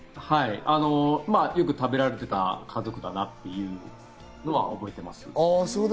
よく食べられていた家族だなというのは覚えています。